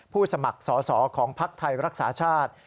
ผู้สมัครสอสอของพักธัยรักษาชาติ